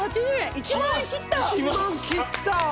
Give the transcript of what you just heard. １万切った！